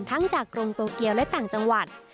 ทั้งจากกรุงโตเกียวและต่างจังหวัด